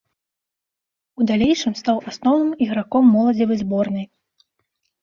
У далейшым стаў асноўным ігракм моладзевай зборнай.